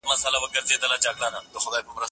زه پرون د کتابتون لپاره کار کوم!.